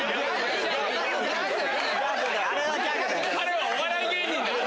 彼はお笑い芸人だから。